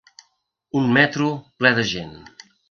Un metro ple de gent.